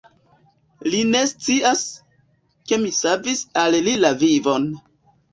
Li ne scias, ke mi savis al li la vivon!